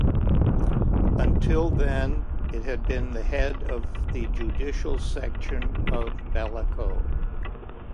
Until then, it had been the head of the judicial section of "Bellaco".